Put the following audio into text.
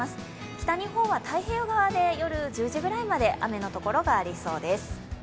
北日本は太平洋側で夜１０時ぐらいまで雨の所がりそうです。